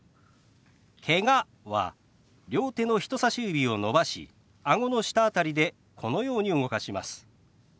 「けが」は両手の人さし指を伸ばしあごの下辺りでこのように動かします。